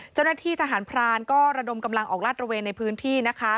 เจ้าหน้าที่ทหารพรานก็ระดมกำลังออกลาดระเวนในพื้นที่นะคะ